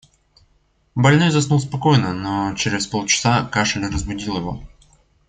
Больной заснул спокойно, но чрез полчаса кашель разбудил его.